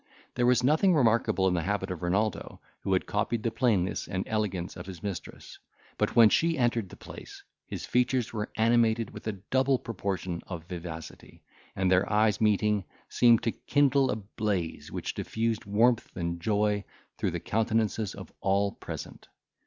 There was nothing remarkable in the habit of Renaldo, who had copied the plainness and elegance of his mistress; but, when she entered the place, his features were animated with a double proportion of vivacity, and their eyes meeting, seemed to kindle a blaze which diffused warmth and joy through the countenances of all present.